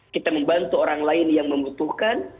kita membantu orang lain yang membutuhkan